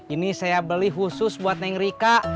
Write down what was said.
ini saya beli khusus buat neng rika